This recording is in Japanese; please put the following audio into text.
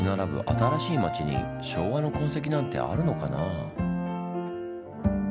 新しい街に昭和の痕跡なんてあるのかな？